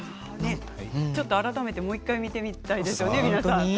改めてもう１回見てみたいですよね、皆さん。